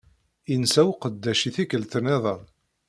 Insa uqeddac i tikkelt-nniḍen.